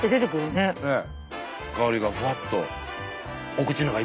ねえ。